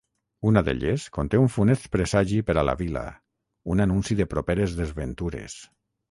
Una d'elles conté un funest presagi per a la vila, un anunci de properes desventures.